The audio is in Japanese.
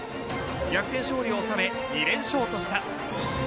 逆転勝利を収め２連勝とした。